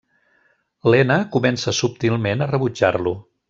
Lena comença subtilment a rebutjar-lo.